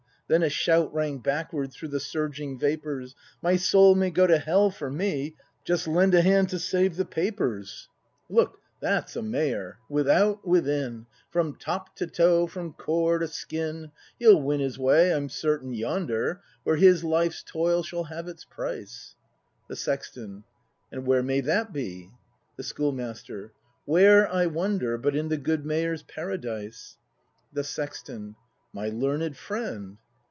Then a shout Rang backward through the surging vapours: "My soul may go to hell for me; Just lend a hand to save the papers!" 222 BRAND [act v Look, that's a Mayor — without, within! From top to toe, from core to skin; He'll win his way, I'm certain, yonder. Where his life's toil shall have its price. The Sexton. And where may that be? The Schoolmaster. Where, I wonder, But in the good Mayors' Paradise. The Sexton. My learned friend